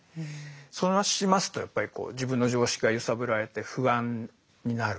そうしますとやっぱり自分の常識が揺さぶられて不安になる。